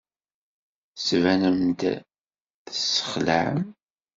Tettbanem-d tessexlaɛem.